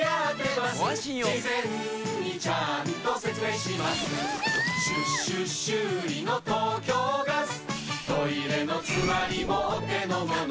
しゅ・しゅ・修理の東京ガストイレのつまりもお手のもの